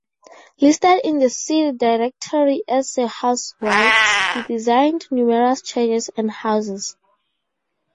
Listed in the city directory as a housewright, he designed numerous churches and houses.